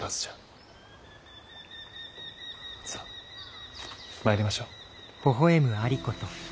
さっ参りましょう。